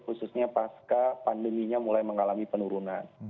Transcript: khususnya pasca pandeminya mulai mengalami penurunan